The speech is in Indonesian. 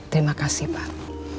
terima kasih pak